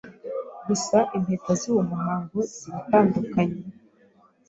Gusa, impeta z’uwo muhango ziratandukanye